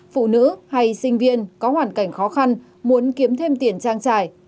phụ nữ hay sinh viên có hoàn cảnh khó khăn muốn kiếm thêm tiền trang trải